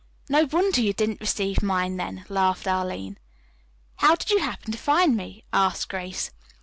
"No wonder you didn't receive mine then," laughed Arline. "How did you happen to find me?" asked Grace.